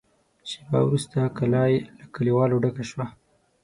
شېبه وروسته کلا له کليوالو ډکه شوه.